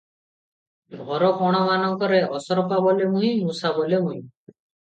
ଘର କୋଣମାନଙ୍କରେ ଅସରପା ବୋଲେ -ମୁହିଁ, ମୂଷା ବୋଲେ- ମୁହିଁ ।